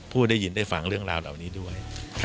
ได้ยินได้ฟังเรื่องราวเหล่านี้ด้วย